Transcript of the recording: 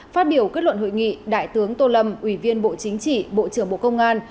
phát biểu kết luận hội nghị đại tướng tô lâm ủy viên bộ chính trị bộ trưởng bộ công an